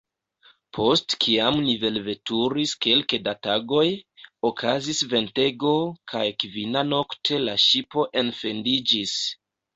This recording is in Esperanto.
Post kiam ni velveturis kelke da tagoj, okazis ventego, kaj kvinanokte la ŝipo enfendiĝis.